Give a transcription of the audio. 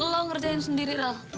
lo ngerjain sendiri rel